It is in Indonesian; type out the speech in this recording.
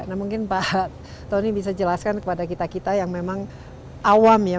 nah mungkin pak tony bisa jelaskan kepada kita kita yang memang awam ya